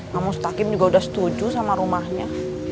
mamustakim juga udah setuju sama rumahnya